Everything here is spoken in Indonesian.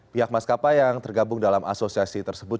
pihak maskapai yang tergabung dalam asosiasi tersebut